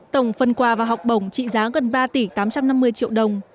tổng phần quà và học bổng trị giá gần ba tỷ tám trăm năm mươi triệu đồng